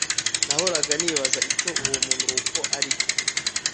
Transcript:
Nahoraga nibaza icyo uwo munuko aricyo